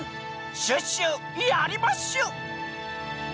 「シュッシュやりまッシュ！」